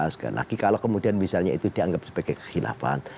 sekali lagi kalau kemudian misalnya itu dianggap sebagai kehilafan